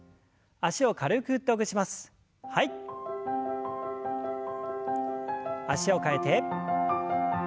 脚を替えて。